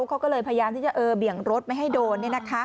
เขาก็เลยพยายามที่จะเบี่ยงรถไม่ให้โดน